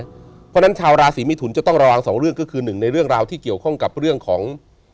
เพราะฉะนั้นชาวราศีมิถุนจะต้องระวังสองเรื่องก็คือหนึ่งในเรื่องราวที่เกี่ยวข้องกับเรื่องของ